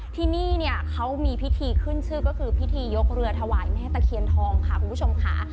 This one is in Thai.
ที่นี่เนี่ยเขามีพิธีขึ้นชื่อก็คือพิธียกเรือถวายแม่ตะเคียนทองค่ะคุณผู้ชมค่ะ